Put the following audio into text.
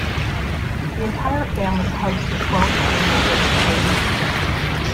The entire family hugs the twelve jury members as they leave.